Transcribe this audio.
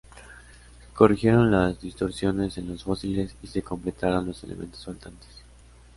Se corrigieron las distorsiones en los fósiles y se completaron los elementos faltantes.